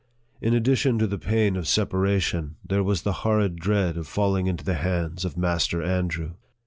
In addition to the pain of separation, there was the horrid dread of falling into the hands of Master Andrew.